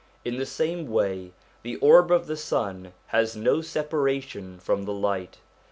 In the same way the orb of the sun has no separation from the light.